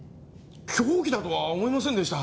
凶器だとは思いませんでした。